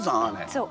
そう。